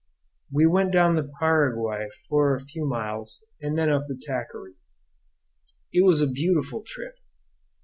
We went down the Paraguay for a few miles, and then up the Taquary. It was a beautiful trip.